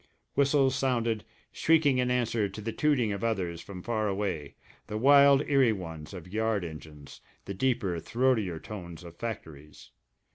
Whistles sounded, shrieking in answer to the tooting of others from far away, the wild eerie ones of yard engines, the deeper, throatier tones of factories.